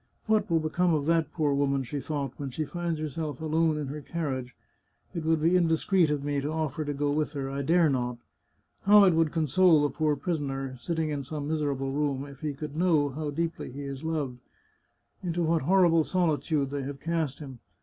" What will become of that poor woman," she thought, " when she finds herself alone in her carriage ? It would be indiscreet of me to offer to go with her. I dare not. ... How it would console the poor pris oner, sitting in some miserable room, if he could know how deeply he is loved! Into what horrible solitude they have cast him